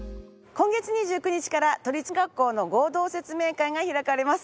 今月２９日から都立学校の合同説明会が開かれます。